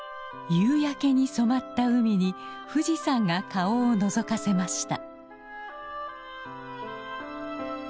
夕焼けに染まった海に富士山が顔をのぞかせました。